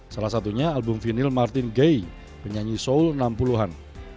salah satunya album vinil martin gay penyanyi seoul enam puluh an